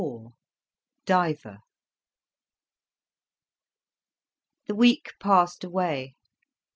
DIVER The week passed away.